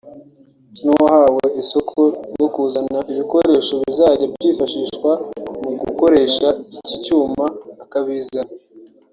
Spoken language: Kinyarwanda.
n’uwahawe isoko ryo kuzana ibikoresho bizajya byifashishwa mu gukoresha iki cyuma akabizana